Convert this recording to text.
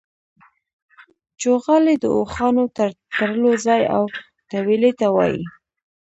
چوغالی د اوښانو د تړلو ځای او تویلې ته وايي.